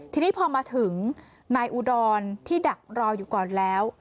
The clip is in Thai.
ทีนี้พอมาถึงนายอุดรที่ดักรออยู่ก่อนแล้ว